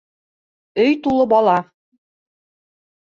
Өй тулы бала.